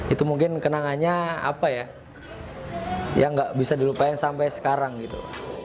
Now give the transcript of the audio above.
itu mungkin kenangannya apa ya yang nggak bisa dilupain sampai sekarang gitu